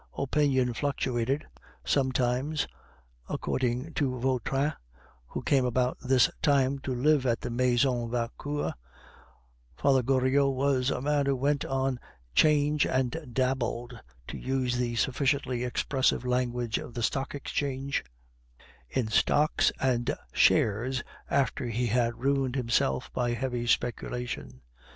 Opinion fluctuated. Sometimes, according to Vautrin, who came about this time to live in the Maison Vauquer, Father Goriot was a man who went on 'Change and dabbled (to use the sufficiently expressive language of the Stock Exchange) in stocks and shares after he had ruined himself by heavy speculation.